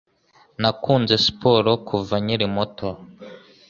Nakunze siporo kuva nkiri muto.